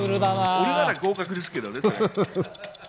俺なら合格ですけどね。